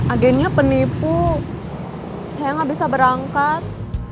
agennya penipu saya nggak bisa berangkat